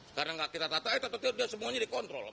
sekarang nggak kita tata eh tata tata dia semuanya dikontrol sama dia